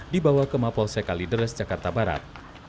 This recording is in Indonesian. dibawa ke mapolsek kalideres jakarta barat